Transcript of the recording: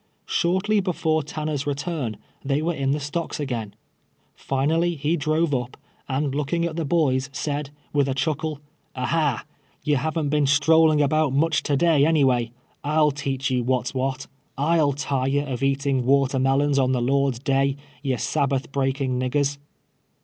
Shortly before Tanner's return, tliey were in the stocks again. Finally he drove Uj), and lookin:^ at the boys, said, with a chuckle, —" Aha ! ye havn't been strolling' al)Out much to day, anyway. /7/ teach you what's what. 7 7/ tire ye of eating water melons on the Lord's day, ye Saljl)ath brcaking niggers."